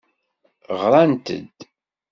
Ɣrant-d.